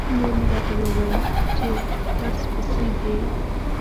مور مې راته وویل چې پس پسي دی.